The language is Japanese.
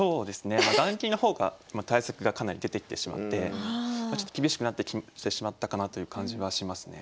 まあ雁木の方が対策がかなり出てきてしまってちょっと厳しくなってきてしまったかなという感じはしますね。